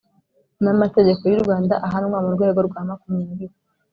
n amategeko y u Rwanda ahanwa mu rwego rwa makumyabiri